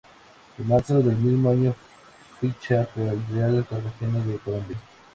En marzo del mismo año ficha por el Real Cartagena de Colombia.